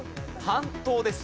半島です。